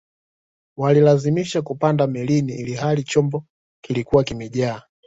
walilazimisha kupanda melini ilihali chombo kilikuwa kimejaa